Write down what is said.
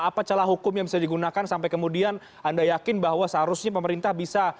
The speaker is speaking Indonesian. apa celah hukum yang bisa digunakan sampai kemudian anda yakin bahwa seharusnya pemerintah bisa